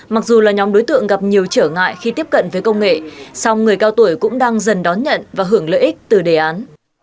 mặc dù là nhóm đối tượng gặp nhiều trở ngại khi tiếp cận với công nghệ song người cao tuổi cũng đang dần đón nhận và hưởng lợi ích từ đề án